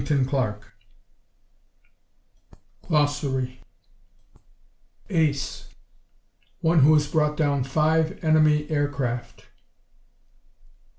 THE END GLOSSARY Ace One who has brought down five enemy air craft.